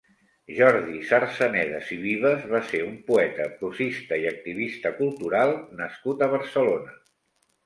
Jordi Sarsanedas i Vives va ser un poeta, prosista i activista cultural nascut a Barcelona.